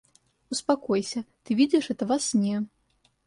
— Успокойся, ты видишь это во сне.